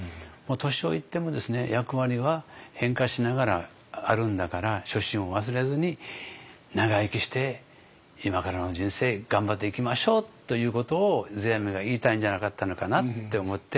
年老いても役割は変化しながらあるんだから初心を忘れずに長生きして今からの人生頑張っていきましょうということを世阿弥が言いたいんじゃなかったのかなって思って。